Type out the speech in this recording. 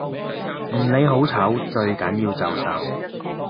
唔理好似醜最緊要就手